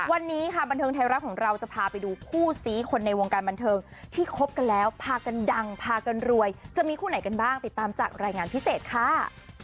วันนี้ค่ะบันเทิงไทยรัฐของเราจะพาไปดูคู่ซี้คนในวงการบันเทิงที่คบกันแล้วพากันดังพากันรวยจะมีคู่ไหนกันบ้างติดตามจากรายงานพิเศษค่ะ